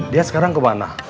dia sekarang kemana